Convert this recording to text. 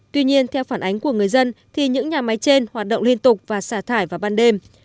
tuy nhiên theo phản ánh của người dân thì những nhà máy trên hoạt động liên tục và xả thải vào ban đêm